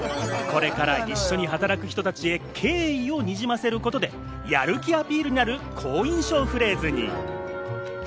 これから一緒に働く人たちへ敬意をにじませることでやる気アピールになる好印象をフレーズに。